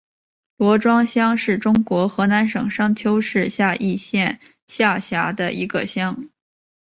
罗庄乡是中国河南省商丘市夏邑县下辖的一个乡。